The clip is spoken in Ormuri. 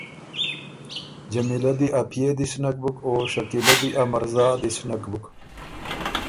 جمیلۀ دی ا پئے دِس نک بُک او شکیلۀ دی ا مرزا دِس نک بُک